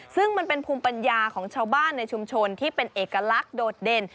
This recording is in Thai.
ซึ่งมันเป็นภูมิปัญญาของชาวบ้านในชุมชนที่เป็นเอกลักษณ์โดดเด่น